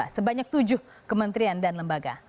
sebanyak tujuh kementerian dan lembaga